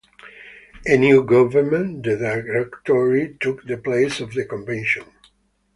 A new government, the Directory, took the place of the Convention.